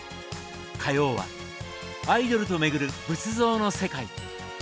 火曜は「アイドルと巡る仏像の世界」。